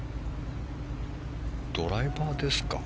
ドライバーですかね？